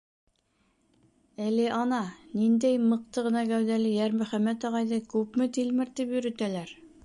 Әле ана ниндәй мыҡты ғына кәүҙәле Йәрмөхәмәт ағайҙы күпме тилмертеп йөрөтәләр.